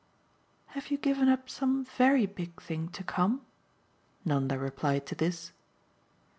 "Have you given up some VERY big thing to come?" Nanda replied to this.